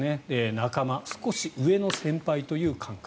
仲間、少し上の先輩という感覚。